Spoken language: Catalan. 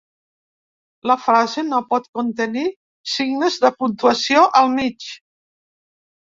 La frase no pot contenir signes de puntuació al mig